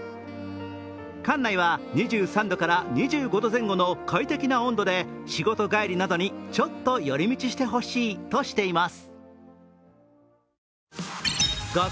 館内は２３度から２５度前後の快適な温度で仕事帰りなどにちょっと寄り道してほしいとしています。